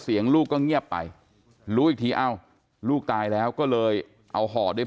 เสียงลูกก็เงียบไปรู้อีกทีเอ้าลูกตายแล้วก็เลยเอาห่อด้วย